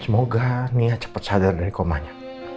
semoga nia cepat sadar dari komanya